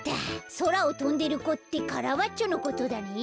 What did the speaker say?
そらをとんでる子ってカラバッチョのことだね。